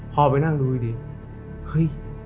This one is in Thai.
พอไปนั่งดูดีเฮ้ย